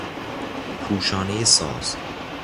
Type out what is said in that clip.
پوشانهی ساز